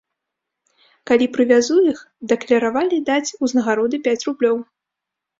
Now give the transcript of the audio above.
Калі прывязу іх, дакляравалі даць узнагароды пяць рублёў.